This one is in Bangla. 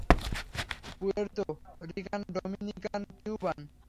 Puerto Rican, Dominican, Cuban.